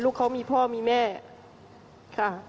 ลูกเขามีพ่อมีแม่ค่ะ